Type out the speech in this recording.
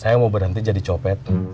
saya mau berhenti jadi copet